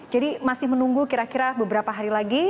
jadi masih menunggu kira kira beberapa hari lagi